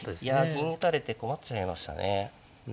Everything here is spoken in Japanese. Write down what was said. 銀打たれて困っちゃいましたね。